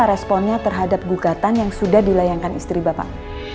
responnya terhadap gugatan yang sudah dilayangkan istri bapak